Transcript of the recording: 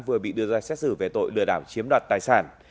vừa bị đưa ra xét xử về tội lừa đảo chiếm đoạt tài sản